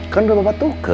kan udah bapak tuh ke